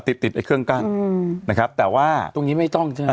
ติดติดไอ้เครื่องกั้นอืมนะครับแต่ว่าตรงนี้ไม่ต้องใช่ไหม